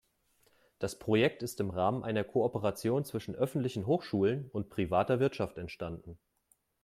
Das Projekt ist im Rahmen einer Kooperation zwischen öffentlichen Hochschulen und privater Wirtschaft entstanden.